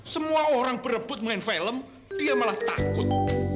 semua orang berebut main film dia malah takut